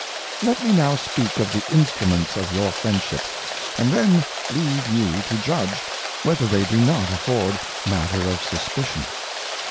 Let me now speak of the Instruments of your Friendship, and then leave you to judge, whether they do not afford matter of Suspition.